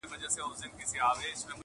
په لس هاوو یې لیدلي وه ښارونه.!